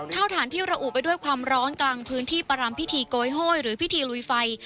เท่าฐานที่ระอุไปด้วยความร้อนกลางพื้นที่ประรำพิธีโกยโห้ยหรือพิธีลุยไฟ